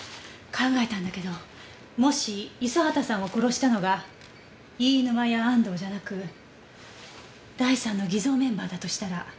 考えたんだけどもし五十畑さんを殺したのが飯沼や安藤じゃなく第三の偽造メンバーだとしたら？